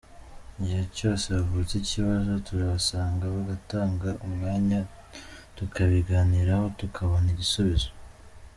Igihe cyose havutse ikibazo turabasanga bagatanga umwanya tukabiganiraho tukabona igisubizo.